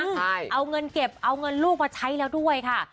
ใช่เอาเงินเก็บเอาเงินลูกมาใช้แล้วด้วยค่ะ